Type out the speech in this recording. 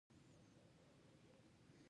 هغې په لوړ غږ خپل ورور ته غږ وکړ.